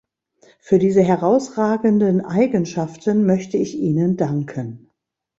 Für diese herausragenden Eigenschaften möchte ich Ihnen danken.